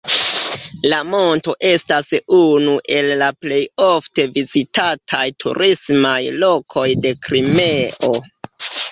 La monto estas unu el la plej ofte vizitataj turismaj lokoj de Krimeo.